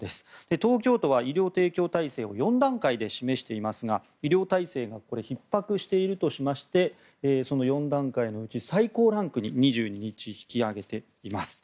東京都は医療提供体制を４段階で示していますが医療体制がひっ迫しているとしましてその４段階のうち最高ランクに２２日、引き上げています。